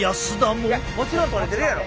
もちろん撮れてるやろ。